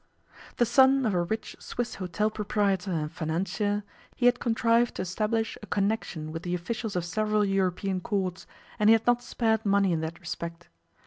The son of a rich Swiss hotel proprietor and financier, he had contrived to established a connection with the officials of several European Courts, and he had not spared money in that respect.